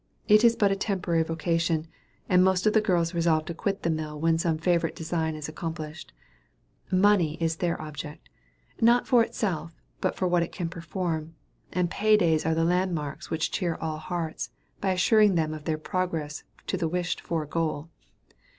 It is but a temporary vocation; and most of the girls resolve to quit the mill when some favorite design is accomplished. Money is their object not for itself, but for what it can perform; and pay days are the landmarks which cheer all hearts, by assuring them of their progress to the wished for goal.